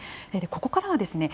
ここからはですね